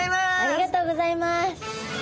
ありがとうございます！